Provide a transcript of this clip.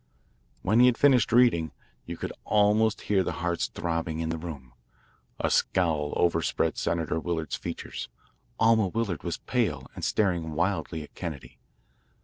When he had finished reading, you could almost hear the hearts throbbing in the room. A scowl overspread Senator Willard's features. Alma Willard was pale and staring wildly at Kennedy.